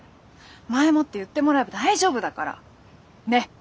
前もって言ってもらえば大丈夫だから。ね！